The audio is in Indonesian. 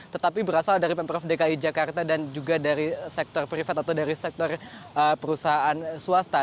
tetapi berasal dari pemprov dki jakarta dan juga dari sektor privat atau dari sektor perusahaan swasta